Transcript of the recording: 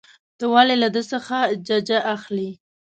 ته ولې له ده څخه ججه اخلې.